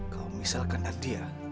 kalau misalkan nadia